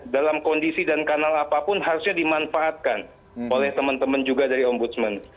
dalam kondisi dan kanal apapun harusnya dimanfaatkan oleh teman teman juga dari ombudsman